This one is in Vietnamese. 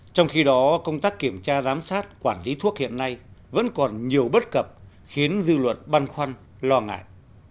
trong khi đó công tác kiểm tra giám sát quản lý thuốc hiện nay vẫn còn nhiều bất cập khiến dư luận băn khoăn lo ngại